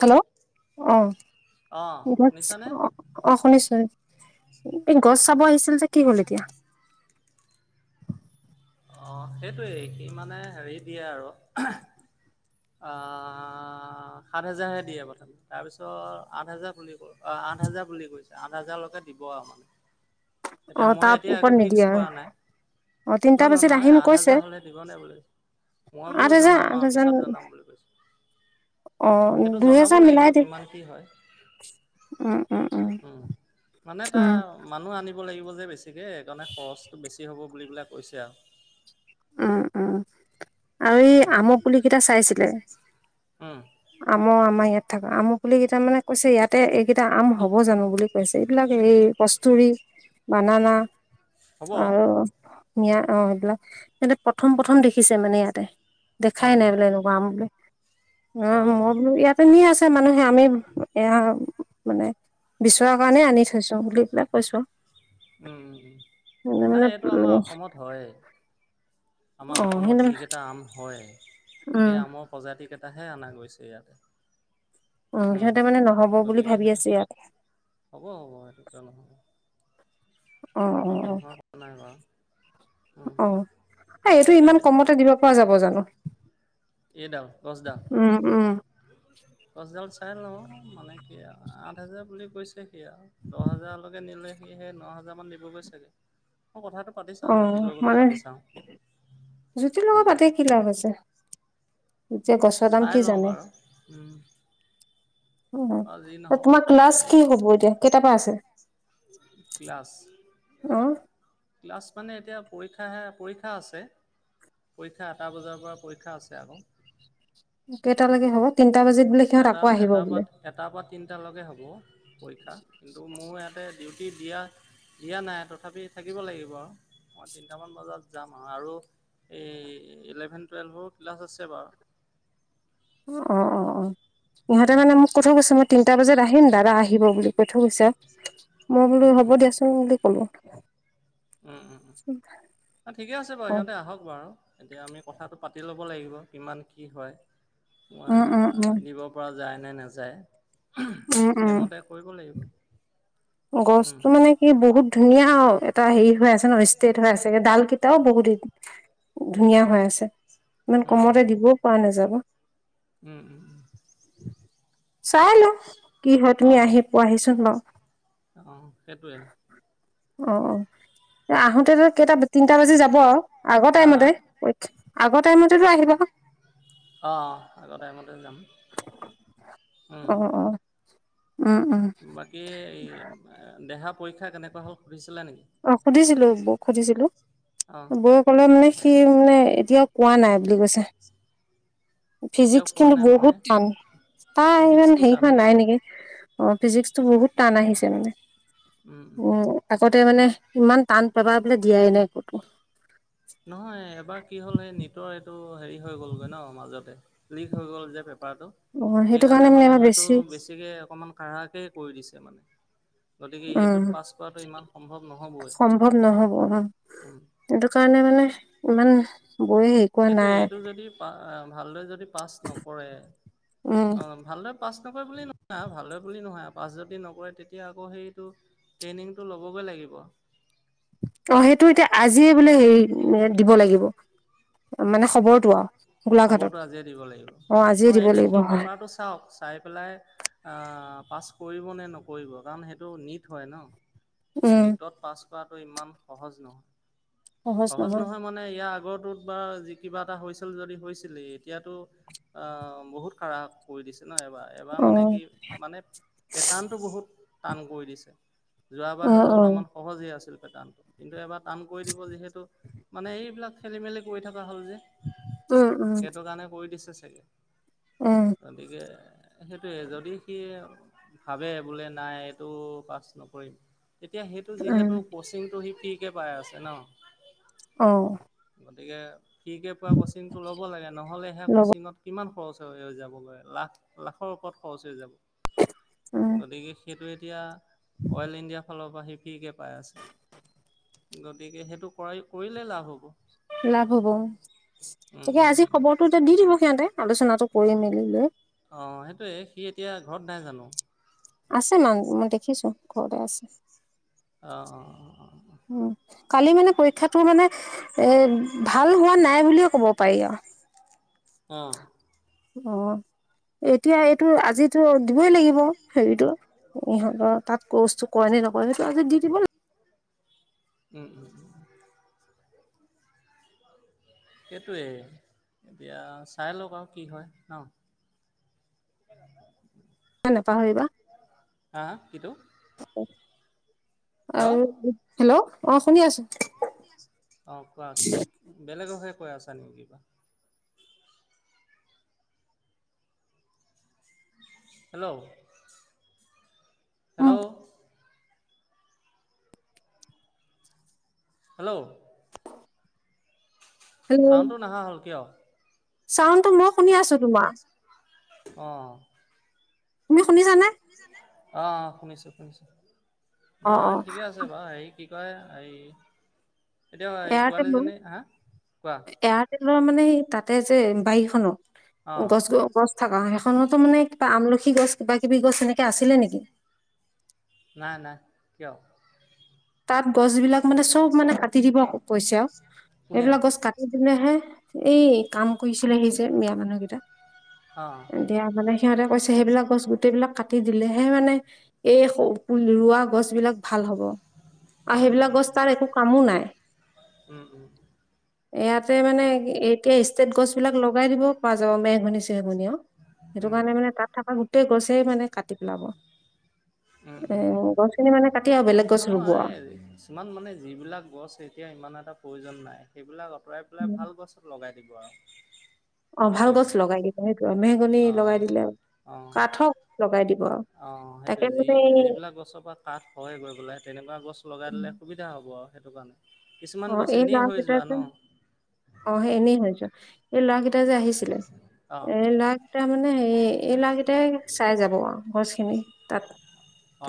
Hello অ', অঁ গছ শুনিছানে? অ', অ', শুনিছোঁ, এই গছ চাব আহিছিল যে কি হ'ল এতিয়া? অ', সেইটোৱে সি মানে হেৰি দিয়ে আৰু অ', সাত হোজাৰহে দিয়ে প্ৰথমে তাৰপিছত আঠ হোজাৰ, বুলি কৈছে অ', আঠ হাজাৰলৈকে দিব আৰু মানে। এতিয়া অ', মই তাৰ এতিয়া ওপৰত নিদিয়ে আৰু, অ', তিন ন, ন নহয় আঠ হাজাৰ হ'লে দিবনে বুলি? মই আঠ বোলো হেজাৰ জনাম আঠ আৰু হেজাৰ পিছত জনাম বুলি কৈছোঁ। অ সেইটো জনাব দুহেজাৰ লাগিব মিলাই দিম কিমান, কি হয়, উম উম উম, মানে তাৰ উম মানুহ লাগিব যে, বেছিকে। সকাৰণে খৰচটো বেছি হ'ব বুলি পেলাই পষা [unintelligible] উম, উম। আৰু এই উম আমৰ পুলি কেইটা চাইছিলে। উম অ, আমাৰ ইয়াত থকা। আমৰ বুলি কেইটা মানে কৈছে, ইয়াতে এইকেইটা আম হ'ব জানো বুলি কৈছে। এইবিলাক এই কস্তুুৰী বানানা। হ'ব। আৰু অ- সেইবিলাক প্ৰথম প্ৰথম দেখিছে মানে ইয়াতে। দেখাই উম, নাই বোলে এনেকুৱা আমৰ পুলি। অ, ' মই বোলো ইয়াতে নি আছে। মানুহে আমি এয়া মানে বিচৰা কাৰণে আনি থৈছো বুলি পেলাই। কৈছো। সিহঁতে নাই এইটো আমাৰ মানে অসমত হয়েই। আমাৰ অ অসমত সিহঁতে মানে যিকেইটা আম হয়, সেই উম আমৰ প্ৰজাতিকেইটা। এতাহে অনা গৈছে ইয়াত। উম- সিহঁতে মানে নহ'ব বুলি গতিকে ভাবি আছে সেইটো ইয়াত হ'ব, হ'ব সেইটো কিয় নহব। অ অ নোহোৱা কথা নাই বাৰু। উম। অ, 'এইটো এই ইমান কমতে দিব পৰা যাব জানো। এইডাল গছডাল উম উম গছডাল চাই নহ। [unintelligible] আঠ হেজাৰ বুলি কৈছে। সি আৰু দহ হাজাৰলৈকে নিলে সি সেই ন হাজাৰ মান‌ অ মানে জুতিৰ লগত উম, পাতে কি লাভ আছে। এতিয়া গছৰ দাম চাই কি লওঁ জানে। বাৰু উম। বা যি [unintelligible] নহওক তোমাৰ ক্লাছ কি হ'ব এতিয়া কেতাৰ পৰা আছে। প্লাছ অ [inaudible] ক্লাছ মানে এতিয়া পৰীক্ষাহে পৰীক্ষা আছে পৰীক্ষা এটা বজাৰ পৰা পৰীক্ষা আছে আকৌ। কেইটালৈগে হ'ব তিন এটা এটাৰ পৰা এটাৰ পৰা তিনটালৈকে হ'ব পৰীক্ষা কিন্তু মোৰ ইয়াতে ডিউটি দিয়া দিয়া নাই তথাপি থাকিব লাগিব আৰু মই তিনিটামান বজাত যাম আৰু আৰু এই ইলেভেন টুৱেলভৰো ক্লাছ আছে বাৰু। অহ, অহ ইহঁতে মানে মোক কৈথৈ কৈছে মই তিনিটা বজাত আহিম। দাদা আহিব বুলি কৈ থৈ গৈছে মই বোলো হ'ব দিয়াচোন বুলি ক'লো উম উম অ ঠিকে আছে বাৰু ইহতে আহক বাউ এতিয়া আমি কথাটো পাতি ল'ব লাগিব কিমান কি হয় উৱা উম উম উম দিব পৰা যায় নে নাযায় সেইমতে কৰিব লাগিব উম, গছতো মানে কি বহুত ধুনীয়া আৰু এটা হেৰি হৈ আছে ন ষ্টেট হৈ আছে ডাল কেইটাও বহুত দিন ধুনীয়া হৈ আছে ইমান উম, কমতে উম, দিবও পৱা নাযাব উম উম চাই লও কি হয় তুমি আহি পোৱাহি চোন বাউ অ সেইটোৱে। অ' অ' আহোতে তোৰ কেইটা তিনটা বাজি যাব আৰু আগৰ হা, হা, টাইমতে আগৰ টাইমতেতটো আহিব অ' অঁ, আগৰ টাইমতে যাম। উম, অ' উম উম বাকী এই দেহা পৰীক্ষা কেনেকুৱা হ'ল সুধিছে অ, সুধিছিলো, বৌক, সুধিছিলো অঁ, বৌ কলে মানে সি, মানে এতিয়াও কোৱা নাই, বুলি কৈছে। এতিয়াও ফিজিক্স কোৱা কিন্তু নাই মানে বহুত টান, তাই ইমান, ফিজিক্সটো হেৰি টান হোৱা হৈছে। নাই নেকি। অ, ফিজিক্সটো, বহুত টান আহিছে মানে। উম, আগত তে, মানে। ইমান টান পাবা, বোলি দিয়াই নাই একোতো। [inaudible] নহয়, এবাৰ কি হ'ল সেই নিটৰ এইটো, হেৰি হৈ গলগৈ ন মাজতে লিক হৈ গ'ল যে পাপেৰটো, অ সেইটো কাৰণে সেইকাৰণে মানে, আমাৰ হয়তো বেছি বেছিকে অকমান কাঢ়াকেই কৰি দিছে মানে। গতিকে এইটোত উম, পাছ কৰাটো ইমান সম্ভৱ নহ'বই সম্ভৱ নহব উম, উম, সেইটো কাৰণে মানে ইমান বৌয়ে হেৰি কৰা সেইটোৱে নাই এইটো যদি, পা-ভালদৰে যদি পাছ নকৰে, উম অ', ভালদৰে পাছ নকৰে, বুলি নহয় ভালদৰে বুলি নহয়, পাছ যদি নকৰে, তেতিয়া আকৌ সেইটো, ট্ৰেইনিংটো ল'বগৈ লাগিব। অ', সেইটো, এতিয়া আজিয়ে বোলে, হেৰি দিব লাগিব। মানে খবৰটো আও গোলাঘাটত খবৰটো আজিয়ে দিব লাগিব, অ আজিয়ে নহয়, দিব এতিয়া লাগিব সি হয় পেপাৰটো চাওঁক, চাই পেলাই, অ' পাছ কৰিব নে, নকৰিব, কাৰণ সেইটো নীত হয়, ন? উম নীটত পাছ হোৱাটো, ইমান সহজ নহয়। সহজ নহয়, মানে ইয়াৰ আগৰটোত, বা, যি কিবা এটা হৈছিল, যদি হৈছিলে, এতিয়াতো অ', বহুত কাৰহা কৰি দিছ নহ, এইবাৰ, এবাৰ অ মানে কি মানে পেটাৰ্ণটো বহুত টান কৰি দিছে। যোৱাবাৰ অ হয়তো, অ অলপমান সহজে আছিল। টান কিন্তু, এবাৰ টান কৰি দিব যিহে তো, মানে এইবিলাক খেলি, মেলি কৰি থাকো হ'ল যে, উম উম সেইটো কাৰণে কৰি দিছে সেয়ে উম, গতিকে সেইটোৱে যদি সি ভাৱে বোলে নাই এইটো পাছ নকৰিম। তেতিয়া সেইটো উম, যিহেতু ক'চিংটো সি ফ্ৰীকে পাই আছে ন'। অ'। গতিকে ফ্ৰীকে পোৱা ক'চিংটো ল'ব লাগে, নহ'লেহে সেয়া ল'ব ক'চিংত কিমান খৰচ হৈ যাব গৈ লাখ, লাখৰ ওপৰত খৰচ হৈ যাব। উম, গতিকে সেইটোৱে তিয়া অ'ইল ইণ্ডিয়া ফালৰ পা সি ফ্ৰীকে পাই আছে। গতিকে সেইটোক কয় কৰিলে লাভ হ'ব। লাভ হ'ব, উম, তাকে উম, আজি উম। খবৰটো যে দি দিব সিহঁতে। আলোচনাটো কৰি মেলি লৈ। অ', সেইটোৱে সি এতিয়া ঘৰত নাই জানো? আছে, [unintelligible] মই দেখিছো। ঘ‌ৰতে আছে। অ, অ, অ, অ। উম, কালি মানে পৰীক্ষাটো মানে, এ ভাল হোৱা নাই বুলিয়ে ক'ব পাৰি আৰু। অহ। অ, এতিয়া এইটো আজিটো দিবই লাগিব, হেৰিতো ইহঁতৰ তাত কৰ্চটো কৰে নে নকৰে, সেইটো আজি দি দিব লাগিব। উম। সেইটোৱেই, এতিয়া চাই লওক আৰু কি হয় ন। নেপাহৰিবা। হা হা কিটো। অ। আৰু, হেল্ল' অঁ শুনি আছোঁ। অ কোৱা কি বেলেগকহে। কৈ আছা নে কিবা। Hello hello. উম, হেল্ল'। হেল্ল' ছাউণ্ডটো নাহা হ'ল, কিয়? চাউণ্ডটো মই শুনি আছো তোমাৰ। অঁ। তুমি শুনিছানে? অ, শুনিছো শুনিছো। অ', নহয়, অ', ঠিকে আছে বাৰু হেৰি কি। [unintelligible] এতিয়া এই এয়াৰটেল পোৱালিজনী, হা কোৱা লৰ মানে সাই তাতে যে বাৰীখনৰ। অঁ গছ-গ গছ। থাক সেইখনতো মানে কিবা আমলখি গছ কিবা কিবি গছ এনেকে আছিলে নেকি? নাই নাই কিয়। তাত গছ বিলাক মানে চব মানে কাটি দিব কৈছে আৰু কোনে এইবিলাক গছ কাটি দিলেহে। এই কাম কৰিছিলে হি যে মিয়া মানুহ কেইটা। অঁ মানে সিহঁতে কৈছে সেইবিলাক গছ গোটেইবিলাক কাটি দিলেহে মানে এই ৰোৱা গছ বিলাক ভাল হ'ব। আৰু সেইবিলাক উম গছ তাৰ একো কামো নাই। উম উম ইয়াতে মানে এতিয়া ষ্টেট গছ বিলাক লগাই দিব পাৰা যাব মেহগননি চেহগন অ'। সেইটো উম কাৰণে মানে তাত থকা গ গোটেই গছে মানে কাটি পেলাব। উম মানে কাটি আৰু বেলেগ। গছ ৰুব আৰু। নহয় কিছুমান মানে যিবিলাক গছ এতিয়া ইমান তা প্ৰয়োজন নাই সেইবিলাক অ অতৰাই পেলাই উম। ভাল গছত লগাই দিবা আৰু। অ', ভাল সেইটোৱে গছ লগাই দিব সেইটো অঁ লগাই দিব। আৰু। অ তাকে সেইটোৱে যি মানে এই যিবিলাক গছৰ পৰা কাঠ হয় বা [unintelligible] তেনেকুৱা গছ লগাই উম। দিলে সুবিধা হ'ব আ। সেইটোকান অ এই [unintelligible] অ হে এনেই হৈ যোৱা। এই ল'ৰাকেইটা যে আহিছিলে, অঁ এই ল'ৰাকেইটা মানে হে এই ল'ৰাকেইটাই চাই যাব আও গছখিনি। তাত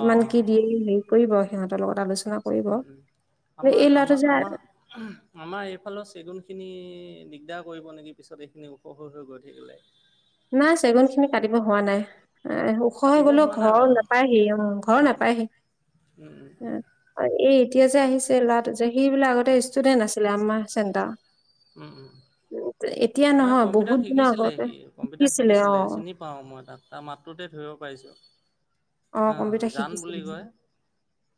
অঁ কি দিয়ে অঁ হেৰি কৰিব। সিহঁতৰ লগত আলোচ না কৰিব উম উম আমাৰ এই ল'ৰাটো আমাৰ যে আমাৰ আমাৰ এইফালৰ চেগুনখিনি দিগদাৰ কৰিব নেকি পিছত এইখিনি ওখ হৈ হৈ গৈ থাকিলে। নাই চেগুন খিনি কাটিব হোৱা নাই। ওখ হৈ কাটিব গলেও হোৱা নাই ঘৰ বাৰু নাপায়হি অ ঘৰ উম নাপায়হি উম উম অ এই এতিয়া যে আহিছে লৰাটো যে, সেইবিলাক আগতে ষ্টুডেন্ট আছিলে আমাৰ চেণ্টা। উম, উম, নাই নহয় কম্পিউটাৰ বহুত দিনৰ শিকিছিলে আগতে সি কম্পিউটা অ শিকিছিলে, চিনি পাও মই তাক, তাৰ মাতটোতে ধৰিব পাৰিছো। [inaudible] অ, কম্পিউটাৰ জান শিকিছিলে বুলি কয়,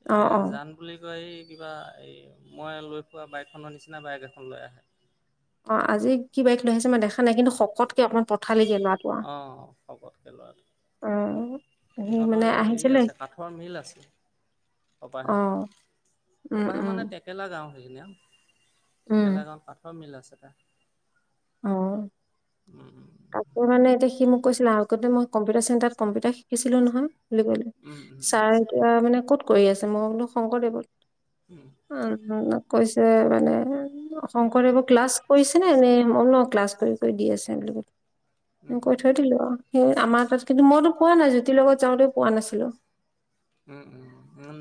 অ অ জান বুলি কয়, এই কিবা এই মই লৈ, ফুৰা বাইকখনৰ, নিচিনা বাইক এখন লৈ আহে। অ, আজি কি বাইক লৈ আহিছে, মই দেখা নাই কিন্তু শকতকে অকমান পঠালিকে ল'ৰাটো আও অ, শকতকে লৰাটো, অ সি সিহঁতৰ মানে এই হেৰি আহিছিলে আছে, কাঠৰ মিল আছে অ কপহেট, উম কপাহে উম মানে থেকালা গাঁও। [unintelligible] উম থেকেলা গাওঁ, কাঠৰ মিল আছে। [inaudible] অ। উম, আকৌ, মানে এতিয়া সি মোক কৈছিল, আগতে মই কম্পিটাৰ চেণ্টাৰত কম্পউটাৰ শিকিছিলো নহয়। বুলি কলে, উম, উম, ছাৰ এতিয়া মানে ক'ত কৰি আছে, মইলো শংকৰদেৱত। উম, উম, কৈছে। ৰে মানে শংকৰদেৱৰ ক্লাছ কৰিছে নে, এনে ক্লাছ কৰি-কৰি দি আছে বুলি কলোঁ। কৈ থৈ দিলো আৰু। সেই আমাৰ তাত, কিন্তু মইতো পোৱা নাই, জ্যোতিৰ লগত যাওঁতে, পোৱা নাছিলো। উম-উম,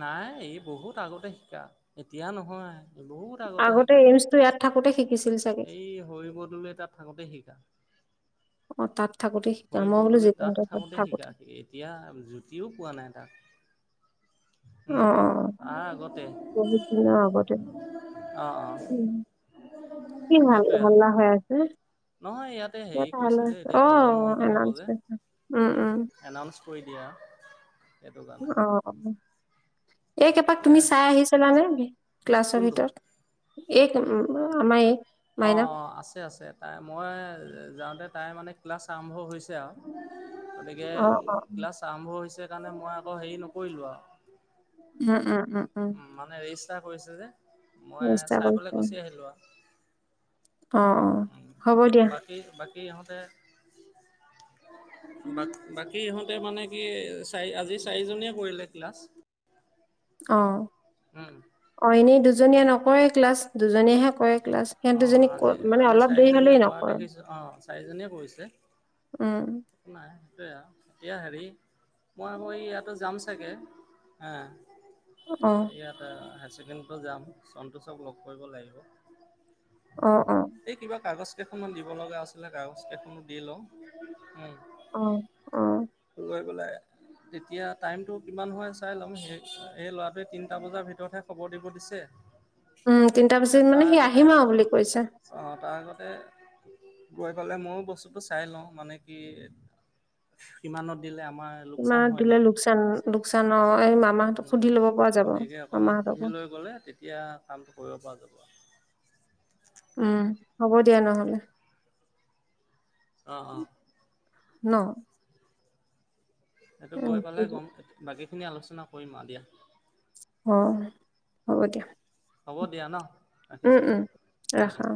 নাই এই, বহুত আগতে শিকা, এতিয়া নহয়। বহুত আগতে শিকা, এইমছটো ইয়াত থাকোতে শিকিছিল চাগে এই হৰি বৰদলৈ তাত থাকতে শিকা। অ, তাত। থাকোতে শিকা হৰি মই বোলো বৰদলৈ তাত জীতেন্দ্ৰ থাকোতে শিকা, এতিয়া জুতিও পোৱা নাই তাক। অ উম, অ অ, তাৰ আগতে অ-অ, বহুত দিনৰ আগতে উম। কি ভাল সেইটোয়ে আৰু হাল্লা হৈ আছে নহয়, ইয়াতে হেৰি ইয়াত কৈছে হাল্লা যে হৈছে এতিয়া অ ভোজন মন্ত হ'ব যে, এনাউন্সমেন্ট উম, অনাউন্স কৰি দিয়া। অ। এই, কেপাক এতিয়া তুমি চাই আহিছিলানে, ক্লাছৰ কোনটো ভিতৰত এইক, আমাৰ এইক। অ'-অ', আছে-আছে তাই মই যা তে তাই মানে ক্লাছ আৰম্ভ হৈছে আৰু। গতিকে অ অ উম ক্লাছ আৰম্ভ হৈছে। সেইকাৰণে মই আকৌ হেৰি নকৰিলোঁ আৰু উম-উম-উম-উম। তাই কৰিছেযে। মই চাই পেলাই গুচি আহিলো আৰু। অ'-অ', হ'ব দিয়া। এই ইহতে, বাকী ইহতে মানে কি চাৰি আজি চাৰিজনীয়ে কৰিলে ক্লাছ। অ', উম অ', এনে দু দুজনীয়ে নকৰে ক্লাছ দুজনীয়েহে কৰে। ক্লাছ সিহত অঁ দুজনী, আজি মানে আজি অলপ দেৰি চাৰিজনীয়ে হলেই কৰা নকৰে। দেখিছোঁ অঁ চাৰিজনীয়ে কৰিছে। উম। [unintelligible] হেৰি মই আকৌ ইয়াতো যাম চাগে, হা অ ইয়াত [unintelligible] [unintelligible] টো যাম, সন্তোষক লগ কৰিব লাগিব। অ অ এই কিবা কাগজ কেইখন মান দিব লগা আছিলে, কাগজ কেইখনো দি লওঁ। অ অ উম [unintelligible] বোলে, তেতিয়া টাইমটো কিমান হয় চাই ল'ম। সেই-সেই লৰাটোৱে তিনটা বজাৰ ভিতৰতহে খবৰ দিব দিছে। উম, তিনিটা পিছত মানে সি আহিম আৰু বুলি কৈছে অ', তাৰ আগতে গৈ পেলাই ময়ো বস্তুটো চাই লওঁ, মানে সি কিমানত দিলে আমাৰ লোকচান ইমান হয় দিলে নেকি লোকচান লোকচানৰ, এই মামাহতক সুধি লব পৰা যাব, গতিকে অকণমান সুধি মামাহতকো লৈ গ'লে তেতিয়া কামটো কৰিব পৰা যাব। অঁ উম। হ'ব দিয়া নহ'লে অ', অ'। ন' সেইটো অ গৈ পালে কম, বাকী খিনি আলোচনা কৰিম আৰু দিয়া অ', হ'ব দিয়া। হ'ব দিয়া ন'। উম ৰাখিছোঁ, উম উম। ৰাখা অ